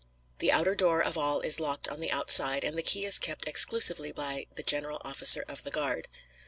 The outer door of all is locked on the outside, and the key is kept exclusively by the general officer of the guard.